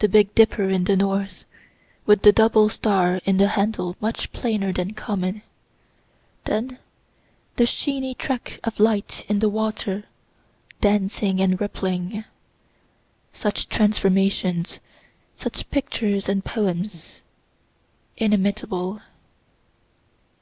The big Dipper in the north, with the double star in the handle much plainer than common. Then the sheeny track of light in the water, dancing and rippling. Such transformations; such pictures and poems, inimitable.